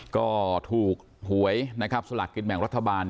ก็ถูกหวยนับสลักกิจแหมงรัฐบาล